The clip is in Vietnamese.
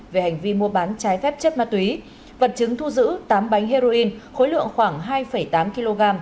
về hành vi mua bán trái phép chất ma túy vật chứng thu giữ tám bánh heroin khối lượng khoảng hai tám kg